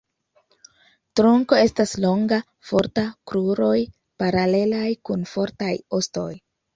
Trunko estas longa, forta; kruroj paralelaj kun fortaj ostoj.